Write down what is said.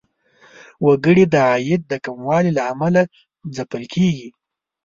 وګړي د عاید د کموالي له امله ځپل کیږي.